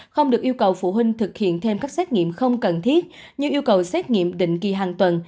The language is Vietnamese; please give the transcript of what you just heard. không được yêu cầu phụ huynh thực hiện thêm các xét nghiệm không cần thiết như yêu cầu xét nghiệm định kỳ hàng tuần